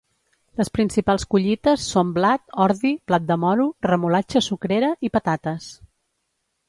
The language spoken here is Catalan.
Les principals collites són blat, ordi, blat de moro, Remolatxa sucrera i patates.